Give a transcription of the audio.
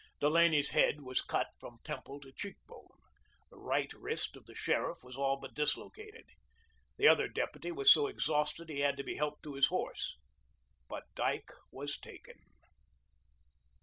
Delaney's head was cut from temple to cheekbone. The right wrist of the sheriff was all but dislocated. The other deputy was so exhausted he had to be helped to his horse. But Dyke was taken.